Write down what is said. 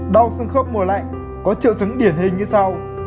đau xương khớp mùa lạnh có triệu chứng điển hình như sau